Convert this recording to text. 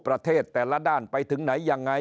ประเทศแต่ละด้านไปถึงไหนยังไง